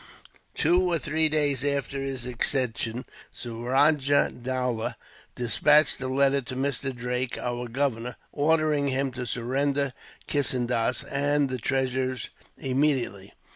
"Two or three days after his accession, Suraja Dowlah despatched a letter to Mr. Drake, our governor, ordering him to surrender Kissendas and the treasures immediately.